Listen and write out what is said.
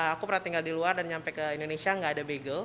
aku pernah tinggal di luar dan nyampe ke indonesia gak ada bagel